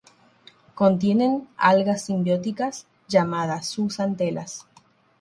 Contienen algas simbióticas llamadas zooxantelas.